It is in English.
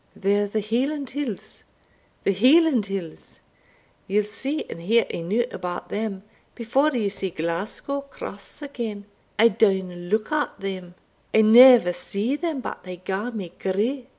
"They're the Hieland hills the Hieland hills Ye'll see and hear eneugh about them before ye see Glasgow Cross again I downa look at them I never see them but they gar me grew.